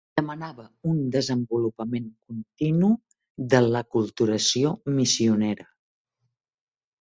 Demanava un desenvolupament continu de l'aculturació missionera.